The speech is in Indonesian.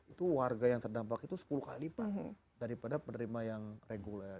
itu warga yang terdampak itu sepuluh kali pak daripada penerima yang reguler